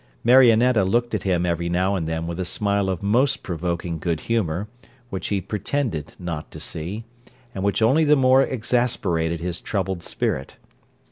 Marionetta looked at him every now and then with a smile of most provoking good humour, which he pretended not to see, and which only the more exasperated his troubled spirit.